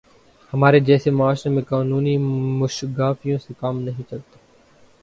ہمارے جیسے معاشرے میں قانونی موشگافیوں سے کام نہیں چلتا۔